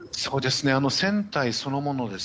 船体そのもの